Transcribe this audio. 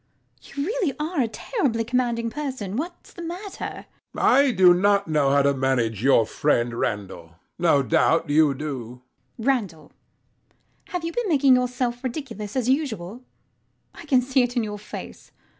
You really are a terribly commanding person. What's the matter? HECTOR. I do not know how to manage your friend Randall. No doubt you do. LADY UTTERWORD. Randall: have you been making yourself ridiculous, as usual? I can see it in your face.